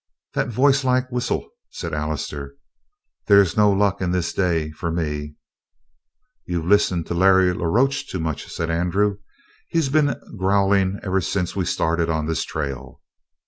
"That voicelike whistle," said Allister. "There's no luck in this day for me." "You've listened to Larry la Roche too much," said Andrew. "He's been growling ever since we started on this trail."